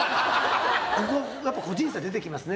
ここ、個人差出てきますね。